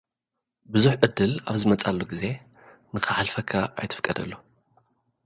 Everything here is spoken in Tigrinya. ብሉጽ ዕድል ኣብ ዝመጸሉ ግዜ፡ ንኽሓልፈልካ ኣይተፍቅደሉ።